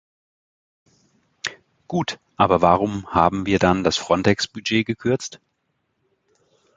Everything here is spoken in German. Gut, aber warum haben wir dann das Frontex-Budget gekürzt?